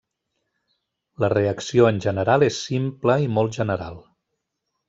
La reacció en general és simple i molt general.